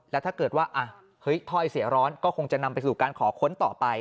แล้วถ้าเกิดว่าเฮ้ยถ้อยเสียร้อนก็คงจะนำไปสู่การขอค้นต่อไป